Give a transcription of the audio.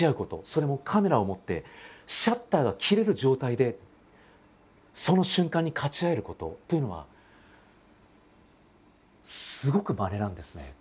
それもカメラを持ってシャッターが切れる状態でその瞬間にかち合えることというのはすごくまれなんですね。